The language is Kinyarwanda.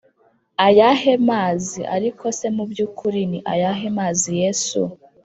ayahe mazi ariko se mu by ukuri ni ayahe mazi Yesu